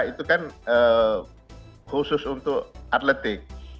itu kan khusus untuk atletik